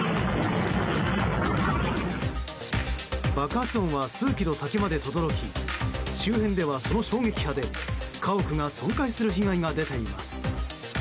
爆発音は数キロ先までとどろき周辺では、その衝撃波で家屋が損壊する被害が出ています。